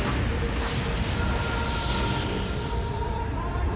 あっ。